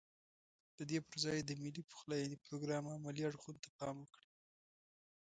ددې پرځای د ملي پخلاينې پروګرام عملي اړخونو ته پام وکړي.